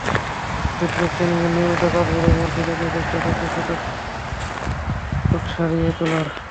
Fitness ট্রেনিংয়ের নিয়মিত কাজগুলোর মধ্যে রেখেই চেষ্টা চলছে চোট সারিয়ে তোলার।